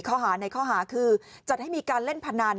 ข้อหาในข้อหาคือจัดให้มีการเล่นพนัน